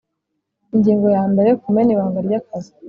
Ingingo ya mbere Kumena ibanga ry akazi